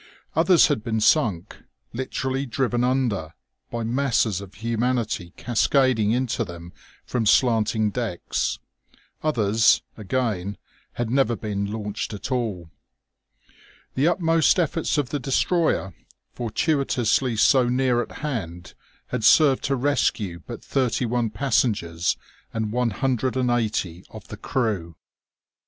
Others had been sunk literally driven under by masses of humanity cascading into them from slanting decks. Others, again, had never been launched at all. The utmost efforts of the destroyer, fortuitously so near at hand, had served to rescue but thirty one passengers and one hundred and eighty of the crew.